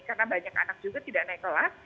karena banyak anak juga tidak naik kelas